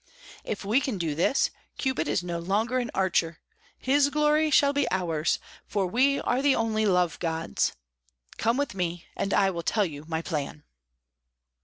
If we can do this, Cupid is no longer an archer; his glory shall be ours, for we are the only love gods! Come with me, and I will tell you my plan."